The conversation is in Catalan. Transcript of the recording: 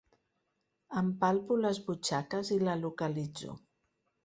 Em palpo les butxaques i la localitzo.